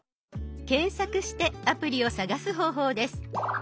検索してアプリを探す方法です。